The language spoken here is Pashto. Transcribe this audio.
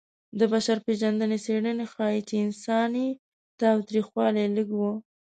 د بشر پېژندنې څېړنې ښيي چې انساني تاوتریخوالی لږ و.